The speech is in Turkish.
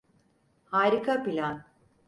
Harika plan.